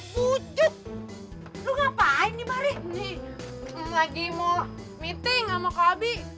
bucut lu ngapain nih mari lagi mau meeting sama kobi